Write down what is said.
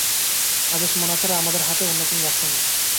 আদেশ মানা ছাড়া আমাদের হাতে অন্য কোনো রাস্তা নেই।